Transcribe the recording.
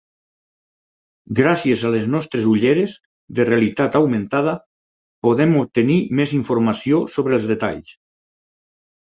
Gràcies a les nostres ulleres de realitat augmentada, podem obtenir més informació sobre els detalls.